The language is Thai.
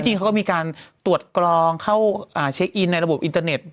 จริงเขาก็มีการตรวจกรองเข้าเช็คอินในระบบอินเตอร์เน็ต